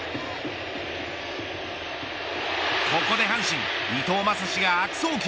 ここで阪神、伊藤将司が悪送球。